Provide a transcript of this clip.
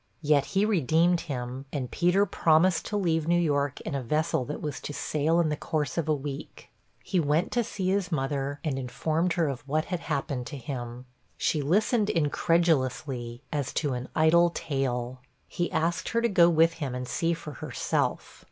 Yet he redeemed him, and Peter promised to leave New York in a vessel that was to sail in the course of a week. He went to see his mother, and informed her of what had happened to him. She listened incredulously, as to an idle tale. He asked her to go with him and see for herself.